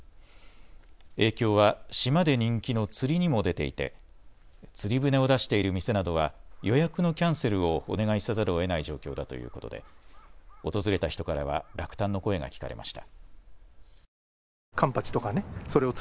影響は島で人気の釣りにも出ていて釣り船を出している店などは予約のキャンセルをお願いせざるをえない状況だということで訪れた人からは落胆の声が聞かれました。